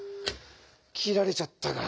切られちゃったか。